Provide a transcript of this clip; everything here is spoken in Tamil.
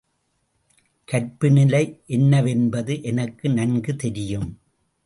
கற்பு நிலை என்னவென்பது எனக்கு நன்கு தெரியும்.